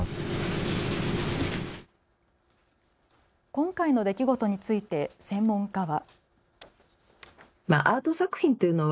今回の出来事について専門家は。